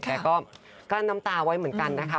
แต่ก็กั้นน้ำตาไว้เหมือนกันนะคะ